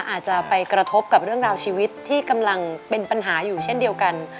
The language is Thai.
อาจจะไปกระทบกับเรื่องราวชีวิตที่กำลังเป็นปัญหาอยู่เช่นเดียวกัน